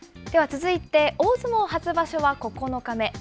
では続いて、大相撲初場所は９日目。